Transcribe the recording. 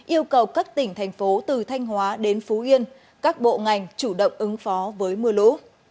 yêu cầu các tỉnh thành phố từ thanh hóa đến phú yên các bộ ngành chủ động ứng phó với mưa lũ